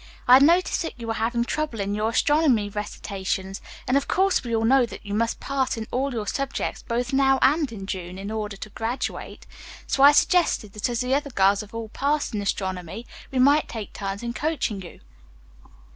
I had noticed that you were having trouble in your astronomy recitations, and, of course, we all know that you must pass in all your subjects, both now and in June, in order to graduate; so I suggested that as the other girls have all passed in astronomy, we might take turns in coaching you.